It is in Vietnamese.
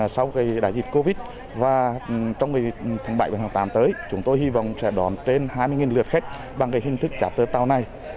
sau đại dịch covid và trong tháng bảy và tháng tám tới chúng tôi hy vọng sẽ đón trên hai mươi lượt khách bằng hình thức chạp tơ tàu này